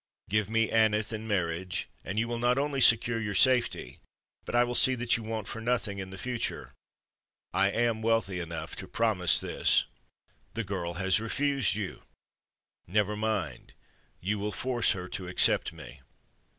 Give me Aneth in marriage, and you will not only secure your safety, but I will see that you want for nothing in the future. I am wealthy enough to promise this." "The girl has refused you." "Never mind. You will force her to accept me."